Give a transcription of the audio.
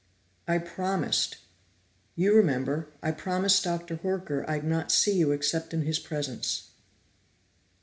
"I promised. You remember I promised Dr. Horker I'd not see you except in his presence."